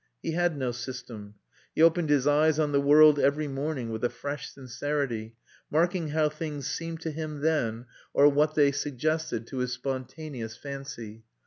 He had no system. He opened his eyes on the world every morning with a fresh sincerity, marking how things seemed to him then, or what they suggested to his spontaneous fancy.